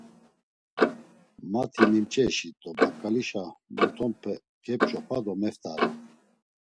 Mati mimç̌eşit do baǩalişa mutonpe kep̌ç̌opa do meft̆are.